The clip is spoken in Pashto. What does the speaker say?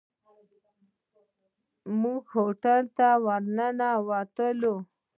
موږ هوټل ته ورننوتلو.